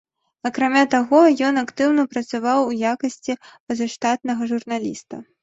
Акрамя таго, ён актыўна працаваў у якасці пазаштатнага журналіста.